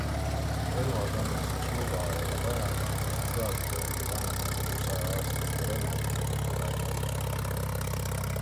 Relvakandmiseks luba ei ole vaja, sest seaduse järgi vanemate kui sajaaastaste relvade puhul seda ei nõuta.